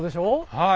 はい。